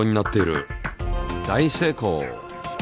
大成功！